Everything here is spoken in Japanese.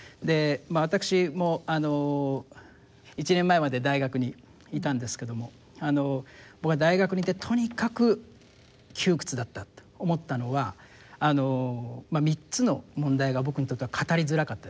私も１年前まで大学にいたんですけども僕は大学にいてとにかく窮屈だったって思ったのは３つの問題が僕にとっては語りづらかったです。